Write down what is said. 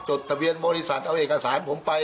จดทะเบียนบริษัทเอาเอกสารผมไป